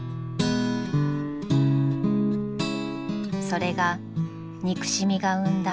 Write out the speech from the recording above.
［それが憎しみが生んだ